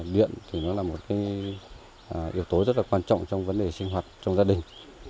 điện thì nó là một yếu tố rất là quan trọng trong vấn đề sinh hoạt trong gia đình